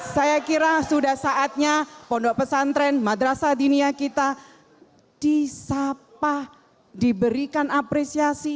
saya kira sudah saatnya pondok pesantren madrasah dinia kita disapa diberikan apresiasi